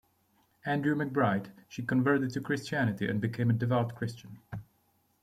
Andrew McBride, she converted to Christianity and became a devout Christian.